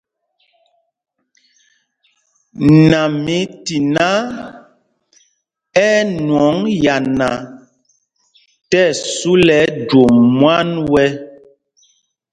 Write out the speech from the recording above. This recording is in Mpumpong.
Namítiná ɛ́ ɛ́ nwɔŋ yana tí ɛsu lɛ ɛjwôm mwân wɛ́.